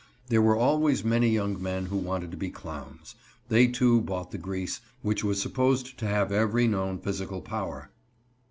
There were always many young men who wanted to be clowns. They, too, bought the grease, which was supposed to have every known physical power.